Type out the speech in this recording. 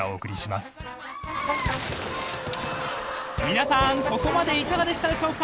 ［皆さんここまでいかがでしたでしょうか？］